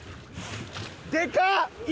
でかっ！